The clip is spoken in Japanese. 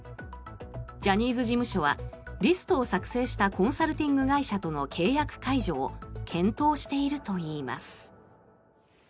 ジャニーズ事務所はリストを作成したコンサルティング会社との契約解除を検討しているといいます。